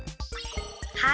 はい！